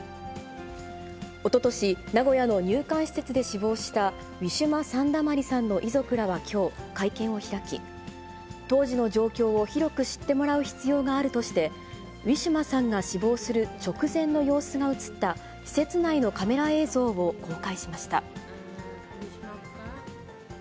おととし、名古屋の入管施設で死亡した、ウィシュマ・サンダマリさんの遺族らはきょう、会見を開き、当時の状況を広く知ってもらう必要があるとして、ウィシュマさんが死亡する直前の様子が写った施設内のカメラ映像を公開しました。